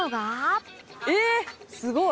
「えっすごい！」